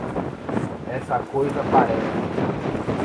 Essa coisa parece